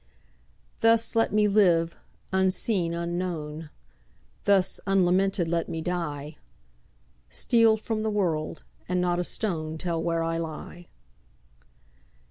Thus let me live, unseen, unknown; Thus unlamented let me die; Steal from the world, and not a stone Tell where I lie.